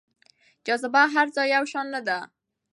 جاذبه هر ځای يو شان نه ده.